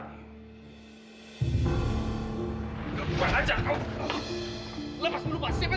kebuka aja kau